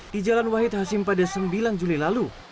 di jalan wahid hasim pada sembilan juli lalu